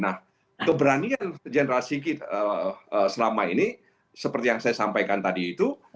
nah keberanian general sikit selama ini seperti yang saya sampaikan tadi itu